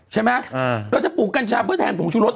ใช่ไหมเราจะปลูกกัญชาเพื่อแทนผงชุรส